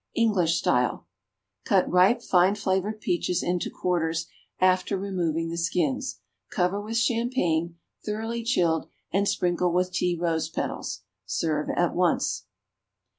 = (English style.) Cut ripe, fine flavored peaches into quarters, after removing the skins. Cover with champagne, thoroughly chilled, and sprinkle with tea rose petals. Serve at once.